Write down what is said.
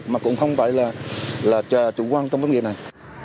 mà cũng không phải là chờ chủ quan trong vấn đề này